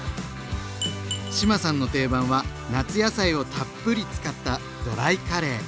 志麻さんの定番は夏野菜をたっぷり使ったドライカレー。